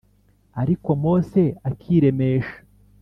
ari ko Mose akiremesha